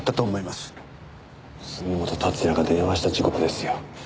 杉本竜也が電話した時刻ですよ。